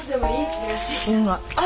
あ！